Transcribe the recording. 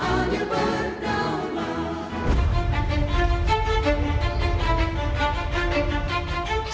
menuju bangsa adil berdaulat